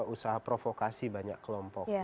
usaha provokasi banyak kelompok